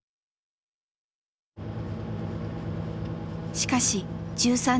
しかし１３年前。